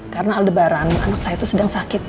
karena aldebaran anak saya sedang sakit